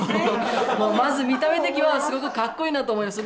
まず見た目的はすごく格好いいなと思います。